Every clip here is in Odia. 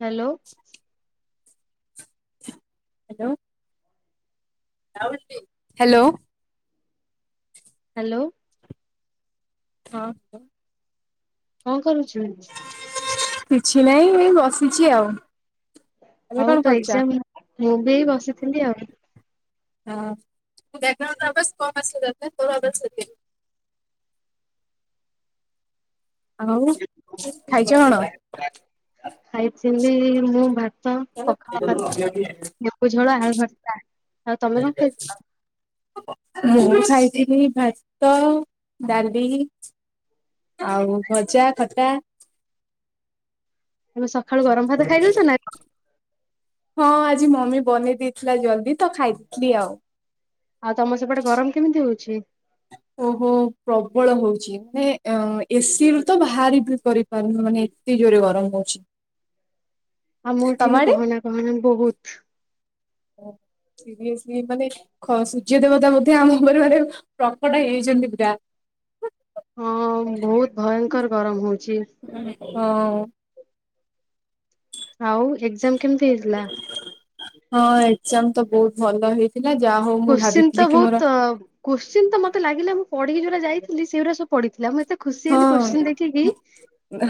Hello hello? ହ୍ୟାଲୋ? ହ୍ୟାଲୋ? ହଁ ହ। କଣ କରୁଛୁ? କିଛି ନାଇଁ ଏ ବ କିଛି ଆଉ ଏବେ ହଉ କଣ ତ କରୁଛ? ଏକ୍ଜାମ ମୁଁ ବି ଏଇ ବସିଥିଲି ଆଉ ହଁ ବ୍ୟାକଗ୍ରାଉଣ୍ଡ ଅଭସ କମ୍ ଆସ ତୋ ଅଭ୍ୟାସ ଅଧିକ। ଆଉ ଖାଇଛ କଣ? ଖାଇଥିଲି ମୁଁ ଭାତ ପଖାଳ ଭାତ [inaudible] ଝଳ ଆଳୁ ଭ ଆା [unintelligible] ମୁଁ ଖାଇଥିଲି ଭାତ ଡାଲି। ଆଉ ଭଜା, ଖଟା ତୋମେ ସଖାଳୁ ଗରମ ଭାତ ଖାଇ ଦଉଛ ନା? ହଁ ଆଜି ମମି ବନେଇ ଦେଇଥିଲା ଜଲଦି ତ ଖାଇଦେଇ ଥିଲି ଆଉ। ଆଉ ତୋମ ସେପଟେ ଗରମ କେମିତି ହଉଛି? ଓହୋ! ପ୍ରବଳ ହଉଛି ମେ ଅ, ଏସି ରୁୁ ତ ବାହାର ବି କରି କରି ହବନି ଏତେ ଜୋରେ ଗରମ ହଉଛି। ଆମ ତମ ଏଠି ବି ଆଡେ? କହନା କହନା ବହୁତ। [inaudible] ସିରିଏସଲି ମାନେ ଖ-ସୂର୍ଯ୍ୟ ଦେବତା ମଧ୍ୟ ଆମ ଘରେ ମାନେ ପ୍ରକଟ ହେଇଛନ୍ତି ପୁରା। ହଁ ବହୁତ ଭୟଙ୍କର ଗରମ ହଉଛି। ହଁ। ଆଉ ଏକ୍ଜାମ୍ କେମିତି ହେଇଥିଲା? ହଁ ଏକ୍ଜାମ୍ ତ ବହୁତ ଭଲ ହେଇ ଥିଲା, ଯା ହଉ। ମୁଁ କୁଶ୍ଚିନ୍ ଭାବିଥିଲି ତ କି ମୋର ବହୁତ ଅ, କୁଶ୍ଚେନ୍ ତ ମୋତେ ଲାଗିଲ ମୁଁ ପଢିକି ଯୋଉରା ଯାଇଥିଲି ସେଉରା ସବୁ ପଡିଥିଲା। ମୁଁ ଏତେ ଖୁସି ହଁ ହେଲି କୋଶ୍ଚିନ୍ ଦେଖିକି।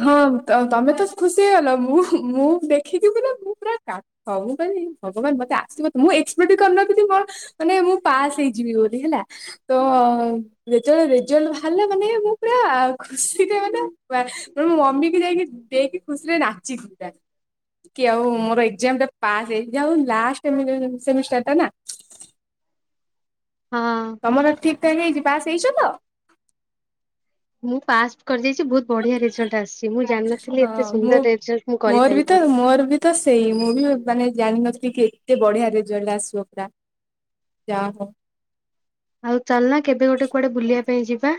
ହଁ ତୋ ତୋମେ ତ ଖୁସି ହେଇଗଲ। ମୁଁ ମୁଁ ଦେଖିକି ପୁରା ମୁଁ ପୁରା ତା ହଉ ମୁଁ କଇଲି ଭଗବାନ ମୋତେ ଆସିବ ତ ମୁଁ ଏକ୍ସପେକ୍ଟ କରିନଥିଲି ମୋର ମାନେ ମୁଁ ପାସ୍ ହେଇଯିବି ବୋଲି ହେଲା। ତ ଯେତେବେଳେ ରେଜଲ୍ଟ ଭାଲା ମାନେ ମୁଁ ନା ଆଉ ଖୁସିରେ ମାନେ ମା- [unintelligible] ମମିକୁ ଯାଇକି ଦେଇକି ଖୁସିରେ ନାଚିଲି ପୁରା। କି ଆଉ ମୋର ଏକ୍ଜାମ୍ ଟା ପାସ୍ ହେଇଯାଉ ଲାଷ୍ଟ ମୁଁ [unintelligible] ସେମିଷ୍ଟାର ଟା ନା। ହଁ ତୋମର ଠିକ ଠାକ ହେଇଛି ପାସ୍ ହେଇଛ ତ? ମୁଁ ପାସ୍ କରିଯାଇଚି, ବହୁତ ବଢିଆ ରେଜଲ୍ଟ ଟା ଆସିଛି, ମୁଁ ଜାଣନଥିଲି ହଁ ଏତେ ମୁଁ ସୁନ୍ଦର ରେଜଲ୍ଟ ମୁଁ ମୋର ବି କରିପାରିବି ତ ବୋଲି। ମୋର ବି ତ ସେଇ ମୁଁ ବି ମାନେ ଜାଣିନଥିଲି କି ଏତେ ବଢିଆ ରେଜଲ୍ଟ ଆସିବ ପୁରା। ଯା ହଉ। ଆଉ ଚାଲୁନ କେବେ ଗୋଟେ କୁଆଡେ ବୁଲିବା ପାଇଁ ଯିବା।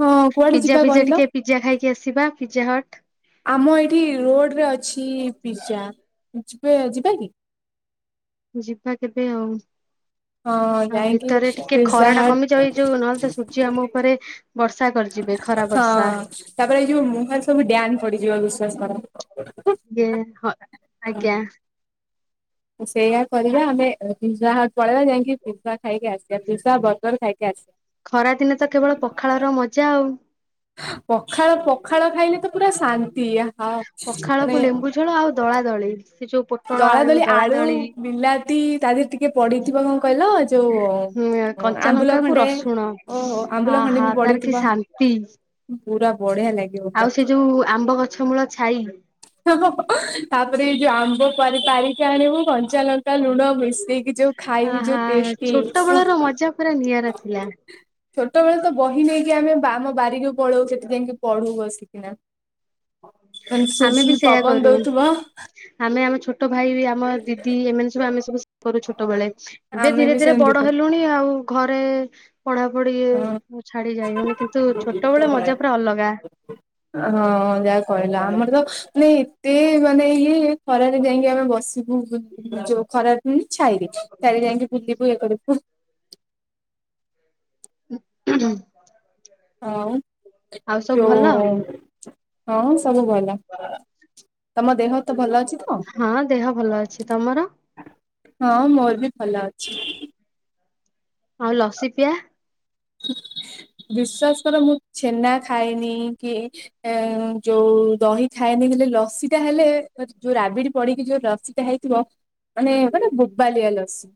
ହଁ କୁଆଡେ ପିଜା ଯିବା ଫିଜା କହିଲ ଟିକେ ପିଜା ଖାଇକି ଆସିବା, ପିଜା ହଟ୍। ଆମ ଏଇଠି ରୋଡ୍ ରେ ଅଛି ପିଜା ଯିବେ ଯିବା କି? ଯିବା କେବେ ଆଉ। ହଁ ଆଉ ଯାଇକି ଭିତରେ ଟିକେ ପିଜା ଖରା ଟା ହଟ୍ କମିଯାଉ, ଏ ଯୋଉ ନହେଲେ ତ ସୂର୍ଯ୍ୟ ଆମ ଉପରେ ବର୍ଷା କ ହଁ ତାପରେ ଏ ଯୋଉ ମୁହଁରେ ସବୁ ଡ୍ୟାନ୍ ପଡିଯିବ ବିଶ୍ବାସ କର। ଯେ, ହଁ ଆଜ୍ଞ। ସେଇଆ କରିବା ଆମେ ଅ, ପିଜା ହଟ୍ ପଳେଇବା ଯାଇକି ପିଜା ଖାଇକି ଆସିବା। ପିଜା ବର ଗର୍ ଖାଇକି ଆସିବା। ଖରାଦିନେ ତ କେବଳ ପଖାଳର ମଜା ଆଉ। ପଖାଳ ପଖାଳ ଖାଇଲେ ତ ପୁରା ଶାନ୍ତି। ଆ ପଖାଳକୁ ଲେମ୍ବୁ ଝୁଳ ଆଉ ଦଳା ଦଳି, ସେ ଯୋଉ ପୋ ଦଳା ଦଳି ଆଳୁ ବିଲାତି ତା ଦେହରେ ଟିକେ ପଡିଥିବ କଣ କହିଲ ଯୋଉ ହୁଁ ଅଁ, କଞ୍ଚା ଆମ୍ବୁଲ ଲଙ୍କାକୁ ଖଣ୍ଡେ ରସୁଣ ଓହୋ, ଆମ୍ବୁଲ ଖଣ୍ଡେ ଆହା ବି ତାର କି ପଡିଥିବ। ଶାନ୍ତି। ପୁରା ବଢିଆ ଲାଗ ଆଉ ସେ ଯୋଉ ଆମ୍ବ ଗଛ ମୂଳ ଛାଇ। [unintelligible] ତାପରେ ଏଇ ଯୋଉ ଆମ୍ବ ପାରି ପାରିକି ଆଣିବୁ, କଞ୍ଚା ଲଙ୍କା ଲୁଣ ମିଶେଇକି ଯୋଉ ଖାଇବୁ ଯୋଉ ଆହା ଟେଷ୍ଟି ଛୋଟ ଓ। ବେଳର ମଜା ପୁରା ନିଆରା ଥିଲା। ଛୋଟ ବେଳେ ତ ବହି ନେଇକି ଆମେ ବା-ଆମ ବାରିକୁ ପଳଉ ସେଠି ଯାଇକି ପଢୁ ବସିକି ନା। ମାନ ଶୁଲୁ ଆମେ ବି ଶୁଲୁ ସେୟା ପବନ କରୁ ଦଉଥୁବ। ଆମେ ଆମ ଛୋଟ ଭାଇ ବି ଆମ ଦିଦି ଏମାନେ ସବୁ ଆମେ ସବୁ କରୁ ଛୋଟ ବେଳେ, ଏବେ ଆମେ ଧୀରେ ବି ଧୀରେ ସେମିତି ବଡ ପଢୁ। ହେଲୁଣି ଆଉ ଘରେ ପଢା ପଢି ଛାଡି ଯାଇ ହଉନି କିନ୍ତୁ ଛୋଟବେଳେ ହଁ ମଜା ପୁରା ଅଲଗା। ହଁ ଯାହା କହିଲା ଆମର ତ ନି ତେ ମାନେ ଇଏ ଖରାରେ ଯାଇକି ଆମେ ବସୁ। ଯୋଉ ଖରା ହୁଏନି ଛାଇରେ ଯାଇକି ବୁଲିବୁ ଇଏ କରିବୁ୍। [inaudible] ଆଉ ଆଉ ସବୁ ଭଲ ଯଉ ହଁ ସବୁ ଭଲ। ତମ ଦେହ ତ ଭଲ ଅଛି ତ? ହଁ ଦେହ ଭଲ ଅଛି ତମର ହଁ ମୋର ବି ଭଲ ଅଛି। ଆଉ ଲସି ପିଆ ବିସ୍ଵାସ କର ମୁଁ ଛେନା ଖାଇନି କି ଏ ଯୋଉ ଦହି ଖାଏନି ହେଲେ ଲସି ଟା ହେଲେ ଯୋଉ ରାବିଡି ପଡିକି ଯୋଉ ରସି ହେଇଥିବ ମାନେ ଗୋଟେ ବୋବାଲିଆ ଲସି।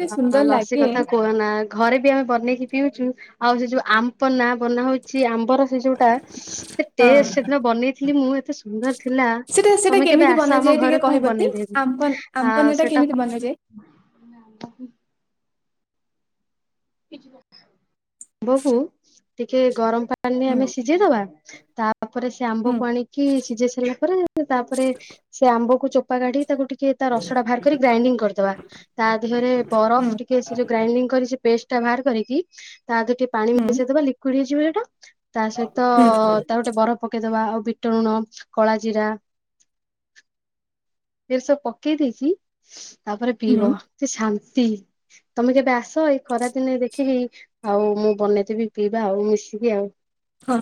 ଏତେ ହଁ ସୁନ୍ଦର ଲସି ଲାଗେ କଥା କୁହନା ଘରେ ବି ଆମେ ବନେଇକି ପିଉଛୁ ଆଉ ସେ ଯୋଉ ଆମ୍ ବନା ହଉଛି ଆମ୍ବର ସେ ଯୋଉଟା ଟ ହଁ ସେଦିନ ବନେଇଥିଲି ମୁଁ ଏତ ସୁନ୍ଦର ଥିଲା ସେଟା ସେଟା ତମେ କେବେ କେମିତି ଆସ ଆମ ବନାଯାଏ ଟିକେ ଘରକୁ ମୁଁ କହିବତି ବନେଇଦେବି ଆମ୍ପନ ଆଉ ଆମ୍ପନ ଟା ସେଟା କେମିତି ବନାଯାଏ? ଆମ୍ବକୁ ଟିକିଏ ଗରମ ପାଣିରେ ହୁଁ ଆମେ ସି ସିଝେଇ ଦବା ତାପରେ ସେ ହୁଁ ଆମ୍ବକୁ ଆଣିକି ସିଝେଇ ସାରିଲା ପରେ ତାପରେ। ସେ ଆମ୍ବକୁ ଚୋପା କାଢ଼ି ତାକୁ ଟିକିଏ। ତା ରସ ଟା ବାହାର କରି ଗ୍ରାଇଣ୍ଡିଙ୍ଗ କରିଦବା ତା ଦେହରେ ହୁଁ ବରଫ ଟିକେ ସେ ଯୋଉ ଗ୍ରାଇଡିଙ୍ଗ କରି ପେଷ୍ଟ ଟା ବାହାର କରିକି ତାରେ ଟିକେ ପାଣି ହୁଁ ମିଶେଇ ଦବା ଲିକୁଇଡ ହେଇଯିବ ସେଟା। ତା ସହିତ ହୁଁ ତା ଗୋଟେ ବରଫ ପକେଇଦବା ଆଉ ବିଟଣୁଣ, କଳା ଜିରା। ଏରା ସବ ପକେଇ ଦେଇକି ତାପରେ ହୁଁ ପିିବ କି ଶାନ୍ତୀ। ତମେ କେବେ ଆସ ଏଇ ଖରାଦିନେ ଦେଖିକି ଆଉ ମୁଁ ବନେଇଦେବି ପିଇବା ଆଉ ମିଶିକି ଆଉ। ହଁ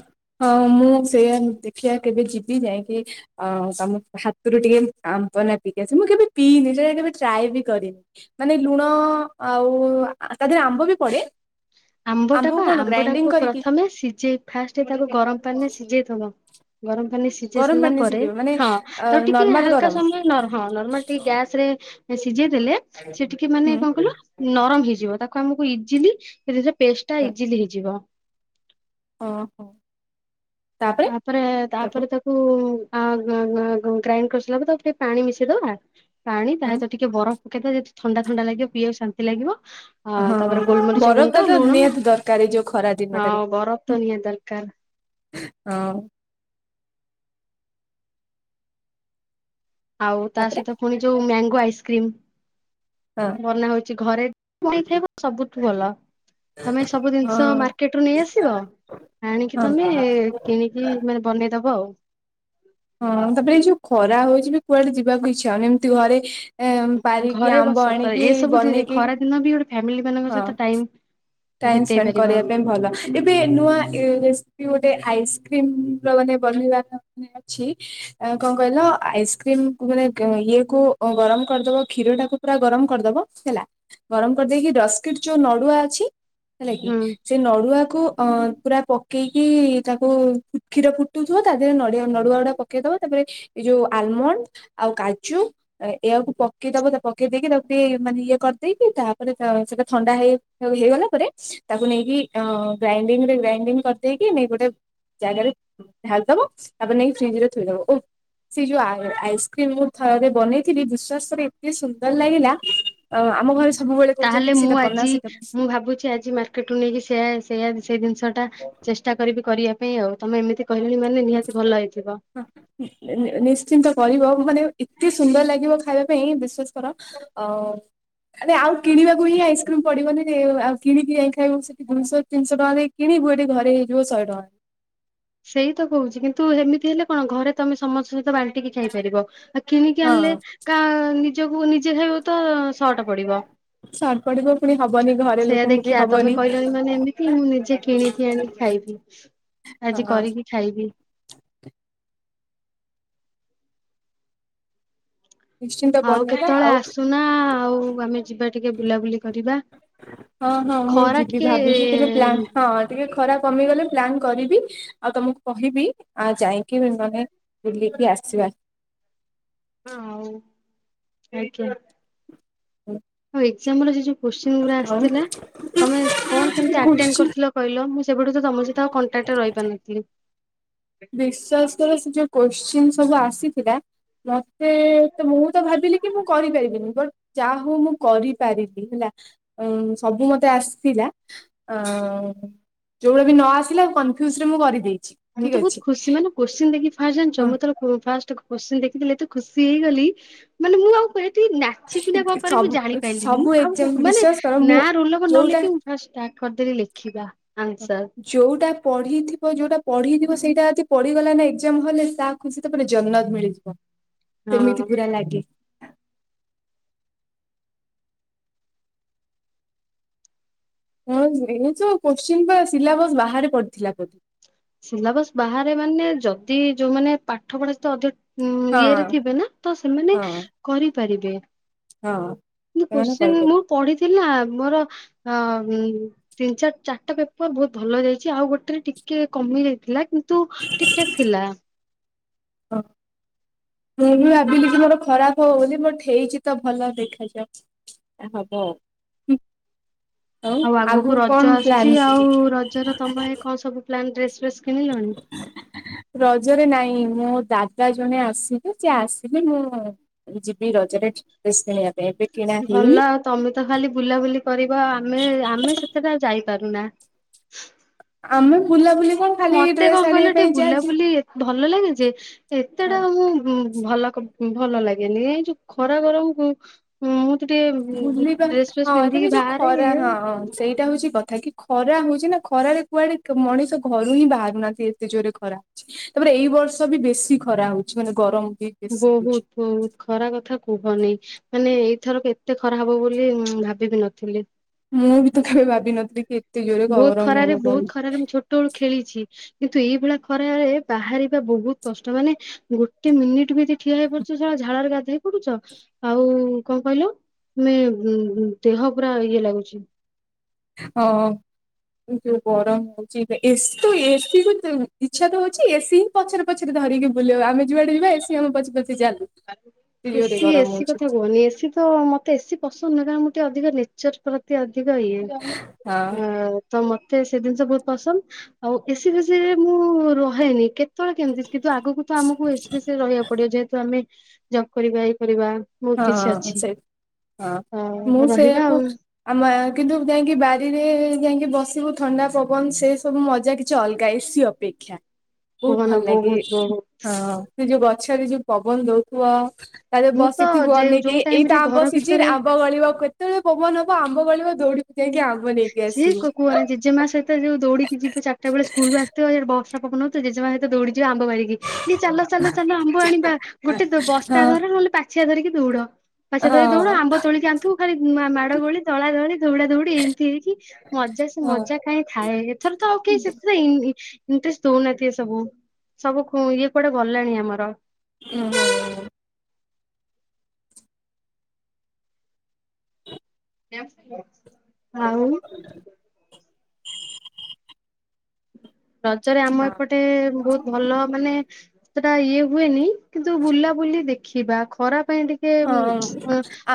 ହଁ ମୁଁ ସେଇଆ ଦେଖିବା କେବେ ଯିବି ଯାଇକି ଅ ତମ ହାତୁରୁ ଟିକେ ଆମ୍ପନା ପିଇକି ଆସେ ମୁଁ କେବେ ପିଇନି ସେଟା କେବେ ଟ୍ରାଏ ବି କରିନି। ମାନେ ଲୁଣ ଆଉ ତା ଦେହରେ ଆମ୍ବ ବି ପଡେ। ଆମ୍ବଟା ଆମ୍ବକୁ ବା କଣ ଆମ୍ବ ଟାକୁ ଗ୍ରାଇଣ୍ଡିଙ୍ଗ କରିକି ପ୍ରଥମେ ସିଝେଇ ଫାଷ୍ଟ ତାକୁ ଗରମ ପାଣିରେ ସିଝେଇଥବ ଗରମ ପାଣି ସିଝେଇ ଗରମ ସାରିଲା ପାଣିରେ ପରେ ସିଝେଇବେ ମାନେ ହଁ ତାକୁ ଟିକେ ନର୍ମାଲ ହାଲକା ଗରମ ସମୟ ନର ହଁ ନରମ ଟିକେ ଗ୍ୟାସ ରେ ସିଝେଇ ଦେଲେ ସେଟିକେ ହୁଁ ମାନେ କଣ କଇଲ ନରମ ହେଇଯିବ ତାକୁ ଆମକୁ ଇଜିଲି ସେରେ ପେଷ୍ଟ ଟା ଇଜିଲି ହେଇଯିବ। ଓ ହୋ। ତାପରେ ତାପରେ ତାକୁ ତା କୁ [unintelligible] ଗ୍ରାଇଣ୍ଡ କରିସାରିଲା ପରେ ତାକୁ ଟିକେ ପାଣି ମିଶେଇଦବା। ପାଣି ତା ସହିତ ଟିକେ ବରଫ ପକେଇଦେଲେ ଥଣ୍ଡା ଥଣ୍ଡା ଲାଗିବ ପିଇବାକୁ ଶାନ୍ତି ଲାଗିବ। ଅ ହଁ ତାପରେ ଗୋଲମରିଚ ଗୁଣ୍ଡ ବରଫଟ ତ ଲୁଣ ନିହାତି ଦରକାର ଏ ଯୋଉ ଖରା ଆଉ ଦିନଟାରେ। ବରଫ ତ ନିହାତି ଦରକାର। ହଁ। ଆଉ ତା ତାପରେ ସହିତ ପୁଣି ଯୋଉ ମ୍ୟାଙ୍ଗୋ ଆଇସ୍କ୍ରିମ। ହଁ। ବନା ହଉଛି ଘରେ [unintelligible] ସବୁଠୁ ଭଲ। ତମେ ସବୁ ହଁ ଜିନିଷ ମାର୍କେଟ ରୁ ନେଇ ଆସିବ ଆଣିକି ହଁ। ତମେ। କିଣିକି ମାନେ ବନେଇଦବ ଆଉ। ହଁ ତାପରେ ଏଇ ଯୋଉ ଖରା ହଉଛି ବି କୁଆଡେ ଯିବାକୁ ଇଚ୍ଛା ହଉନି ଏମତି ଘରେ। ଏ ପାରିକି ଘରେ ବସ ଆମ୍ବ ତ ଆଣିକି ଏ ସବୁ ବନେଇକି ଖରା ବି ଗୋଟେ ଫାମିଲି ମାନଙ୍କ ସହିତ ଟାଇମ୍। ଟାଇମ୍ ସ୍ପେଣ୍ଡ କରିବେ ଭଲ ଏବେ ନୂଆ ରେସକ୍ଯୁ ଗୋଟେ ଆଇସ୍କ୍ରିମ ର ମାନେ ବନେଇବା ମାନେ ଅଛି। କଣ କହିଲ ଆଇସ୍କ୍ରିମ ମାନେ ଇଏ କୁ ଗରମ କରିଦବ କ୍ଷୀର ଟାକୁ। ପୁରା ଗରମ କରିଦବ ହେଲା। ଗରମ କରିଦେଇକି ସ୍କିଟ ଯୋଉ ନଡୁଆ ଅଛି ହେଲା କି ହୁଁ ସେ ନଡୁଆକୁ ଅ ପୁରା ପକେଇକି ତାକୁ କ୍ଷୀର ଫୁଟୁଥିବ ତା ଦେହରେ ନଡିଆ ନଡୁଆ ଗୁଡା ପ କେଇଦବ ତାପରେ ଏଇ ଯୋଉ ଆଲମଣ୍ଡ ଆଉ କାଜୁ ଏହାୟାଆକୁ ପକେଇଦବ ତା ପକେଇ ଦେଇକି ତାକୁ ଟିକେ ମାନେ ଇଏ କରିଦେଇକି ତାପରେ ସେଇଟା ଥଣ୍ଡା ହେଇ ହେଇଗଲା ରେ ତାକୁ ନେଇକି ଅ ଗ୍ରାଇଡିଙ୍ଗରେ ଗ୍ରାଇଡିଙ୍ଗ କରିଦେଇକି ନେଇ ଗୋଟେ ଜାଗା ରେ ଢାଳି ଦବ ତାପରେ ନେଇକି ଫ୍ରିଜ ରେ ଥୋଇଦବ। ଓ ସେ ଯୋଉ ଆଇସ୍କ୍ରିମ ମୁଁ ଥରେ ବନେଇଥିଲି ବିଶ୍ୱାସ କରେ ଏତେ ସୁନ୍ଦର ଲାଗିଲା ଅ ଆମ ଘରେ ସବୁବେଳେ କହୁଛନ୍ତି ତାହେଲେ କି ମୁଁ ସେଇଟା ବନା ଆଜି ସେଇଟା ମୁଁ ଭାବୁଚି ଆଜି ମାର୍ ଟ ରୁ ନେଇକି ସେଆ ସେଆ ସେଇ ଜିନିଷ ଟା ଚେଷ୍ଟା କରିବି କରିବା ପାଇଁ ଆଉ। ତମେ ଏମିତି କହିଲଣି ମାନେ ନିହାତି ଭଲ ହେଇଥିବ। ହଁ ନି - ନିଶ୍ଚିନ୍ତ କରିବ ମାନେ ଏତେ ସୁନ୍ଦର ଲାଗିବ ଖାଇବା ପାଇଁ ବିଶ୍ସସ୍ କର ଅ ଆରେ ଆଉ କିଣିବାକୁ ହିଁ ଆଇସ୍କ୍ରିମ୍ ପଡିବନି ଆଉ କିଣିକି ଯାଇ ଖାଇବୁ। ଦୁଇଶହ ତିନିଶହ ଟଙ୍କାଦେଇ କିଣିବୁ ଏଠି ଘରେ ହେଇଯିବ ଶହ ଟଙ୍କାରେ। ସେଇ ତ କହୁଚି କିନ୍ତୁ ହେମିତି ହେଲେ କଣ ଘରେ ତମେ ସମସ୍ତଙ୍କ ସହିତ ବାଣ୍ଟି କି ଖାଇପାରିବ। ଆ କିଣିକି ଆଣିଲେ ହଁ କା ନିଜକୁ ନିଜେ ହେବ ତ ସଟ ପଡିବ। ସଟ୍ ପଡିବ ପୁଣି ହବନି ଘରେ ସେଇଆ ଲୋକଙ୍କୁ ବି ଦେଖିବା ତମେ ହବନି କହିଲଣି ମାନେ ଏମିତି ମୁଁ ନିଜେ କିଣିିକି ଆଣିକି ଖାଇବି। ଆଜି ହଁ କରିକି ଖାଇବି। ନିଶ୍ଚିନ୍ତ ଆଉ ବନେଇବା କେତେବେଳେ ଆଉ ଆସୁନା ଆଉ ଆମେ ଯିବା ଟିକେ ବୁଲାବୁଲି କରିବା। ହଁ ହଁ ମୁଁ ଖରା ଯିବି ଟିକେ ଭାବିଚି କି ପ୍ଲା ହଁ। ଟିକେ ଖରା କମିଗଲେ ପ୍ଲାନ୍ କରିବି ଆଉ ତମକୁ କହିବି ଆ ଯାଇକି ମାନେ ବୁଲିକି ଆସିବା। ହଁ ହଉ ଆଜ୍ଞା। ଆଉ ଏକଜାମର ସେ ଯଉ କୋସ୍ଚିଂ ଗୁଡା ଆଉ ଆସିଥିଲା ତମେ କଣ କେମତି ଆଟେଣ୍ଡ କୋଶ୍ଚିନ୍ କରିଥିଲ? କହିଲ, ମୁଁ ସେବେଠୁ ତ ତମ ସହିତ ଆଉ କଣ୍ଟାକ୍ଟରେ ରହିପାରିନଥିଲି। ବିଶ୍ଵାସ କର ସେ ଯୋଉ କୋଶ୍ଚିନ୍ ସବୁ ଆସିଥିଲା ମ ତେ ତ ମୁଁ ତ ଭାବିଲି କି ମୁଁ କରିପାରିବିନି ବଟ ଯାହା ହଉ ମୁଁ କରିପାରିଲି ହେଲା। ଉ ସବୁ ମତେ ଆସିଥିଲା। ଅ ଯୋଉଟା ବି ନ ଆସିଲା କନଫ୍ୟୁଜରେ ମୁଁ କରିଦେଇଚି ମୁଁ ତ ଠିକ ବହୁତ ଅଛି। ଖୁସି ମାନେ କୋସଚିନ୍ ଦେଖିକି ଫାଷ୍ଟ ଜାଣିଚ ହଁ ମୁଁ ଯେତେବେଳେ କୋ ଫାଷ୍ଟ କୋଷଚିନ ଦେଖିଥିଲି ଏତେ ଖୁସି ହେଇଗଲି, ମାନେ ମୁଁ ଆଉ କହିଲି ନା ଚିବି ନା କଣ କରିବି ମୁଁ ସବୁ ଆଉ ଜାଣିପାଇଲିନି ସବୁ ଏକ୍ଜାମ ମାନେ ବିଶ୍ୱାସ କର ମୁଁ ନା ରୋଲ୍ ନମ୍ବର୍ ନ ଯୋଉଟା ଲେଖି ଫାଷ୍ଟ ଷ୍ଟାର୍ଟ କରିଦେଲି ଲେଖିବା। ଯୋଉଟା ପଢିଥିବ ଯୋଉଟା ପଢିଥିବ ସେଇଟା ଯଦି ପଢିଗଲା ନା ଏକଜାମ ହଲରେ ତା ଖୁସି ତ ପୁରା ଜନ୍ନତ ମିଳିଯିବ। ସେମିତି ହଁ ପୁରା ଲାଗେ। ହଁ ଏ ତ କୋଶ୍ଚିନ୍ ବା ସିଲାବସ୍ ବାହାରେ ପଡିଥିଲା ବୋଧେ। ସିଲାବସ ବାହାରେ ମାନେ ଯଦି ଯୋଉମାନୋନ ପାଠ ପଢା ସହ ଅଧିକ ୟେ ରେ ରେ ହଁ ଥିବେ ନା ତ ସେମାନେ ହଁ କରିପାରିବେ। ହଁ। ଇ ସେମାନେ କୋଶ୍ଚିନ୍ ମୁଁ କରିପାରିବେ। ପଢିଥିଲି ନା ମୋର ଆମ୍ ଉଁ ତିନି ଚାର ଚାରିଟା ପେପର ବହୁତ ଭଲ ଯାଇଚି। ଆଉ ଗୋଟେରେ ଟିକେ କମି ଯାଇଥିଲା କିନ୍ ତୁ ଠିକଠାକ୍ ଥିଲା। ଅ ମୁଁ ବି ଭାବିଲି କି ମୋର ଖରାପ ହବ ବୋଲି ବଟ୍ ହେଇଚି ତ ଭଲ ଦେଖାଯାଉ। ଯାହା ହବ। ଆଉ ଆଗକୁ ରଜ ଆସୁଚି ଆଉ ରଜର ତମ ପାଇଁ କଣ ସବୁ ପ୍ଲାନ୍ ଡ୍ରେସ ଫ୍ରେସ୍ କିଣିଲଣି? ରଜରେ ନାଇଁ ମୋ ଦାଦା ଜଣେ ଆସିବେ। ସିଏ ଆସିଲେ ମୁଁ ଯିବି ରଜରେ ଡ୍ରେସ୍ କିଣିବା ପାଇଁ ଏବେ କିଣା ହେଇନି। ଭଲ ଆଉ ତମେ ତ ଖାଲି ବୁଲାବୁଲି କରିବ। ଆମେ ଆମେ ସେତେଟା ଯାଇପାରୁନା। ଆମେ ବୁଲାବୁଲି କଣ ଖାଲି ମତେ ଡ୍ରେସ କଣ ଆଣିବା କହିଲେ ପାଇଁ ଟିକେ ଯାହା ବୁଲାବୁଲି ଏତ୍ ଭଲଲାଗେ ଯେ ଯିବୁ। ଏତେଟା ମୁଁ ଭଲ କପ୍ ଭଲ ଲାଗେନି ଏଇ ଯୋଉ ଖରା ଗରମକୁ ମୁଁ ଟିକେ ବୁଲିବା ଡ୍ରେସ ଫ୍ରେସ ହଁ ଏବେବି ପିନ୍ଧିକି ଯୋଉ ବାହାରେ ଖରା ଇଏ ହଁଁ ହଁ ସେଇଟା ହଉଛି କଥା କି ଖରା ହଉଛି ନା ଖରାରେ କୁଆଡେ କ ମଣିଷ ଘରୁ ହିଁ ବାହାରୁନାହାନ୍ତି ଏତେ ଜୋରରେ ଖରା ହୋଉଛି। ତାପରେ ଏଇ ବର୍ଷ ବି ବେଶୀ ଖରା ହଉଛି ମାନେ ଗରମ ବି ବେଶୀ ହଉଛି ବହୁତ। ବହୁତ ଖରା କଥା କୁହନି ମାନେ ଏଇଥରକ ଏତେ ଖରା ହବ ବୋଲି ମ ଭାବିବି ନଥିଲି। ମୁଁ ବି ତ କେବେ ଭାବିନଥିଲି କି ଏତେ ଜୋରେ ବହୁତ ଗରମ ଖରାରେ ହବ ବୋଲି ବହୁତ ଖରାରେ ମୁଁ ଛୋଟବେଳୁ ଖେଳିଛି। କିନ୍ତୁ ଏଇଭଳିଆ ଖରାରେ ବାହାରିବା ବହୁତ କଷ୍ଟ ମାନେ ଗୋଟେ ମିନିଟ ବି ଯଦି ଠିଆ ହେଇ ପଡୁଚ ସ ଝାଳରେ ଗାଧେଇ ପଡୁଛ ଆଉ କଣ କହିଲୁ ମେ ମ ମ ଦେହ ପୁରା ଇଏ ଲାଗୁଛି ଓ ଓ ଯୋଉ ଗରମ ହଉଛି ଏବେ ଏସି ତ ଏସି କୁ ତ ଇଚ୍ଛା ତ ହଉଛି ଏସି ହିଁ ପଛରେ ପଛରେ ଧରିକି ବୁଲିବା ଆମେ ଯୁଆଡେ ଯିବା ଏସି ଆମ ପଛେ ପଛେ ଚାଲୁ। ଏତେ ଜୋରେ ଏସି ଗରମ ଏସି ହଉଛି କଥା କୁହନି ଏସି ତ୍ ତ ମତେ ଏସିି ପସନ୍ଦ ନୁହଁ କାରଣ ମୁଁ ଟିକେ ଅଧିକ ନେଚର ପ୍ରତି ଅଧିକ ଇଏ ହଁ ହୁଁ ତ ମତେ ସେ ଜିନିଷ ବହୁତ ପସନ୍ଦ ଆଉ ଏସି ଫେସିରେ ମୁଁ ରହେନି କେତ୍ କେତେବେଳେ କେମିତି କିନ୍ତୁ ଆଗକୁ ତ ଆମକୁ ଏସି ଫେଶୀରେ ରହିବା ପଡିବ ଯେହେତୁ ଆମେ ଜବ୍ କରିବା ଇଏ କରିବା। ବହୁତ କିଛି ହଁ ଅଛି। ସେ ହଁ ମୁଁ ହଁ ରହିବା ସେଇଆକୁ ଆଉ ଆମ କିନ୍ତୁ ଯାଇକି ବାରିରେଏ ଏ ଯାଇକି ବସିବୁ ଥଣ୍ଡା ପବନ ସେ ସବୁ ମଜା କିଛି ଅଲଗା ଏସିି ଅପେକ୍ଷା ବହୁତ କୁହନା ଭଲ ଲାଗେ ବହୁତ ବହୁତ ହଁ। ସେ ଯୋଉ ଗଛରେ ଯୋଉ ପବନ ଦଉଥିବ ମୁଁ ତ ଯେ ବନେଇକି ଯୋଉ ଟାଇମ ଏଇତ ରେ ଆମ୍ବ ଘର ସିଜିିନ ଭିତରେ ଆମ୍ବ ଗଳିବ କେତେବେଳେ ପବନ ହବ ଆମ୍ବ ଗଳିବ ଦୋଉଡ଼ିବୁ ଯାଇକି ଆମ୍ବ ନେଇକି ସିଏ ଆସିବୁ କ କୁହନା ଜେଜେମା ସହିତ ଯୋଉ ଦୌଡିକି ଯିବେ ଚାରଟା ବେଳେ ସ୍କୁଲରୁ ଆସିକି ଥିବ ଯୋଉଠି ବର୍ଷା ପବନ ହେଉଥିବ ଜେଜେମା ସହିତ ଦୌଡ଼ିଯିବ ଆମ୍ବ ବାରିକି। ଏଇ ଚାଲ ଚାଲ ଚାଲ ଆମ୍ବ ଆଣିବା ହଁ ଗୋଟେ ବସ୍ତା ଧର ନହେଲେ ପାଛିଆ ଧରିକି ଦୌଡ଼। ପାଛିଆ ଧରିକି ଦଉଡ ହଁ ଆମ୍ବ ତୋଳିକି ଆଣିଥିବୁ ଖାଲି ମା ମାଡ଼ଗୋଳି ଦଳାଦଳି ଦଉଡ଼ା ଦଉଡ଼ି ଏମ ସିଏକି ମଜା ସେ ହଁ ମଜା କାହିଁ ଥାଏ ଏଥର ତ ଆଉ କେଇ ସେଥିରେ ଇନ୍ ଇନ୍ ଇଣ୍ଟରେଷ୍ଟ ଦଉନାହାନ୍ତି ଏ ସବୁ ସବୁ ଇଏ କୁଆଡେ ଗଲାଣି ଆମର ହୁଁ। ଆଉ ରଜରେ ଆମ ଏପଟେ ବହୁତ ଭଲ ମାନେ ସେତେଟା ଇଏ ହୁଏନି କିନ୍ତୁ ବୁଲାବୁଲି ଦେଖିବା ଖରା ପାଇଁ ଟିକେ ହଁ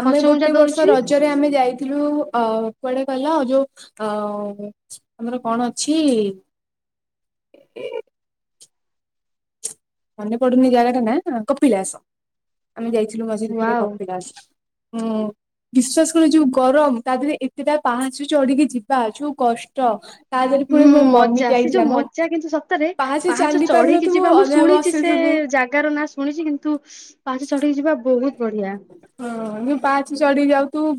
ଆମେ ପଛଘୁଞ୍ଚା ଗୋଟେ ବର୍ଷ ଦଉଛି ରଜରେ ଆମେ ଯାଇଥିଲୁ ଅ କୁଆଡେ ଗଲ ଯୋଉ ଅ ଆମର କଣ ଅଛି ଏ ମନେ ପଡୁନି ଜାଗାଟା ନା କପିଳାସ। ଆମେ ଯାଇଥିଲୁ ମଝିରେ ଥରେ ୱାଓ କପିଳାସ ଉଁ। ବିଶ୍ଵାସ କର ଯୋଉ ଗରମ ତା ଦେହରେ ଏତେଟା ପାହଚ ଚଢିକି ଯିବା ଯୋଉ କଷ୍ଟ। ତା ଦେହରେ ପୁଣି ହୁଁ ମୋ ମମି ମଜା ସେ ଯାଇଥିଲା ଯୋଉ ମୋ ମଜା କିନ୍ତୁ ସତରେ ପାହାଚ ଚାଲି ଚଢିକି ପାରୁନଥିବୁ ଯିବା ମୁଁ ଅଧାବ ଶୁଣିଛି ସେ ଥିବୁ। ଜାଗାର ନାଁ ଶୁଣିଛି କିନ୍ତୁ ପାହାଚ ଚଢିକି ଯିବା ବହୁତ ବଢିଆ। ହଁ ତ ପାହଚ ଚଢିକି ଯାଉ ଥୁବୁ ଵ